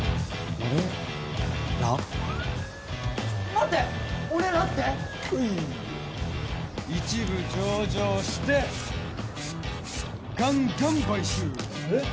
待って俺らって？はいー一部上場してガンガン買収えっ？